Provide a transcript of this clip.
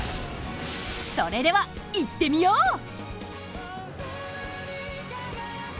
それでは、行ってみよう！